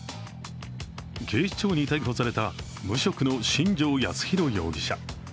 警視庁に逮捕された無職の新城康浩容疑者。